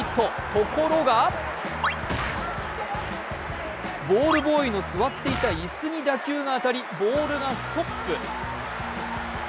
ところがボールボーイの座っていた椅子に打球が当たりボールがストップ。